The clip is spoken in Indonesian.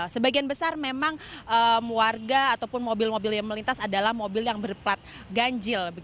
sebagian besar memang warga ataupun mobil mobil yang melintas adalah mobil yang berplat ganjil